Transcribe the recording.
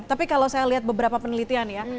tapi kalau saya lihat beberapa penelitian ya